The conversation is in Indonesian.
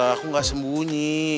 aku enggak sembunyi